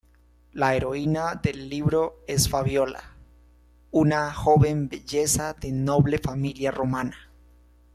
La heroína del libro es Fabiola, una joven belleza de noble familia romana.